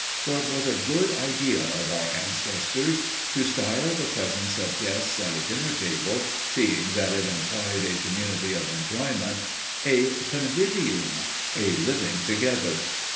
For it was a good idea of our ancestors to style the presence of guests at a dinner table seeing that it implied a community of enjoyment a convivium, "a living together."